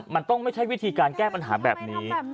มันต้องไม่ใช่วิธีการแก้ปัญหาแบบนี้